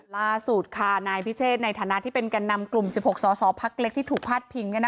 ล่าสุดค่ะนายพิเชษในฐานะที่เป็นแก่นำกลุ่ม๑๖สอสอพักเล็กที่ถูกพาดพิง